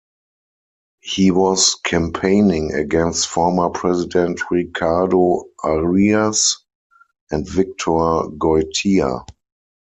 He was campaigning against former president Ricardo Arias and Victor Goytia.